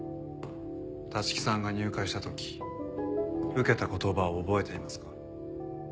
立木さんが入会した時受けた言葉を覚えていますか？